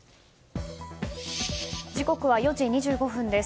時刻は４時２５分です。